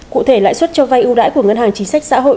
cụ thể lãi suất cho vay ưu đãi của ngân hàng chính sách xã hội